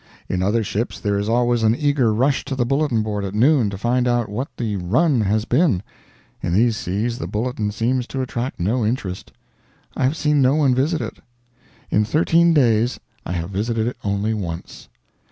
In other ships there is always an eager rush to the bulletin board at noon to find out what the "run" has been; in these seas the bulletin seems to attract no interest; I have seen no one visit it; in thirteen days I have visited it only once.